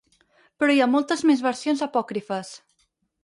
Però hi ha moltes més versions apòcrifes.